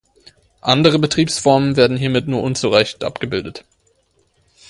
Andere Betriebsformen werden hiermit nur unzureichend abgebildet.